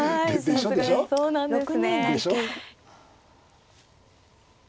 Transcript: はいさすがそうなんですね。